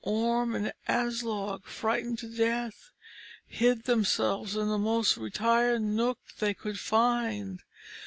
Orm and Aslog, frightened to death, hid themselves in the most retired nook they could find.